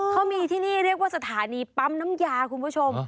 เขามีที่นี่เรียกว่าสถานีปั๊มน้ำยาคุณผู้ชม